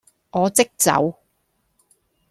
我即走